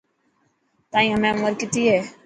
تائن همي عمر ڪتي هي.